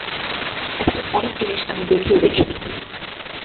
এতদিন অনেক জিনিস আমি দেখেও দেখি নি।